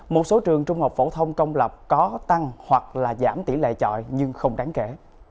một số trường trung học phổ thông công lập có tăng hoặc là giảm tỷ lệ chọi nhưng không đáng kể